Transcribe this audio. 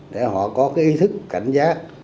để họ có ý thức cảnh giác